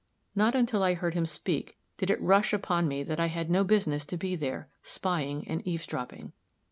Not until I heard him speak, did it rush upon me that I had no business to be there, spying and eavesdropping.